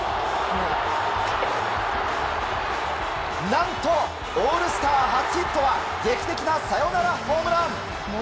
何と、オールスター初ヒットは劇的なサヨナラホームラン！